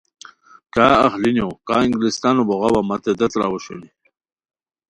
کا اخلینیو کا انگشتانو بوغاوا متے دیت راؤ اوشونی